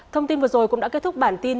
thông tin vừa rồi cũng đã kết thúc bản tin